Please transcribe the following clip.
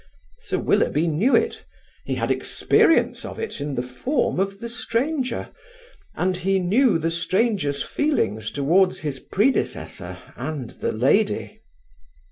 Sir Willoughby knew it; he had experience of it in the form of the stranger; and he knew the stranger's feelings toward his predecessor and the lady.